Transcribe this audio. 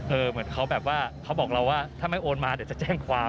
เหมือนเขาแบบว่าเขาบอกเราว่าถ้าไม่โอนมาเดี๋ยวจะแจ้งความ